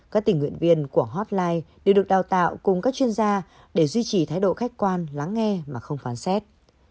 các tình nguyện viên của hotline đều được đào tạo cùng các chuyên gia để duy trì thái độ khách quan lắng nghe mà không phán xét